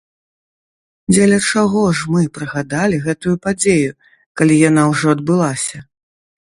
Дзеля чаго ж мы прыгадалі гэтую падзею, калі яна ўжо адбылася?